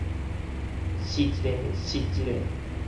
爍一下，爍一下